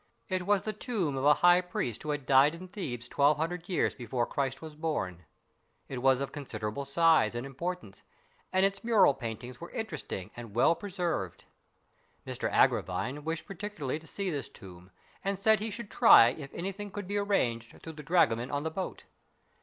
It was the tomb of a high priest who had died in Thebes twelve hundred years before Christ was born. It was of considerable size and importance, and its mural paintings were interesting and well pre served. Mr Agravine wished particularly to see this tomb, and said he should try if anything could be arranged through the dragoman on the boat.